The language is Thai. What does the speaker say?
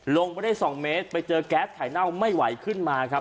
ลงไปได้๒เมตรไปเจอแก๊สไข่เน่าไม่ไหวขึ้นมาครับ